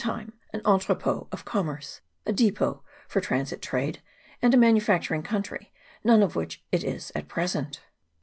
time, an entrepot of commerce a depot for transit trade, and a manufacturing country, none of which it is at present.